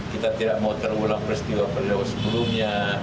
kita tidak mau terulang peristiwa peristiwa sebelumnya